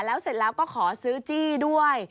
แล้วเสร็จแล้วก็ขอซื้อจี้ด้วย